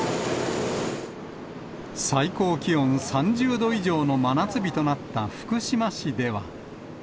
最高気温３０度以上の真夏日となった福島市では。